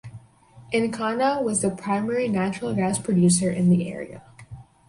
Encana was the primary natural gas producer in the area.